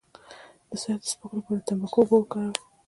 د سر د سپږو لپاره د تنباکو اوبه وکاروئ